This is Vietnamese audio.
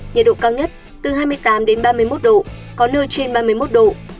nhiệt độ cao nhất từ hai mươi tám ba mươi một độ có nơi trên ba mươi một độ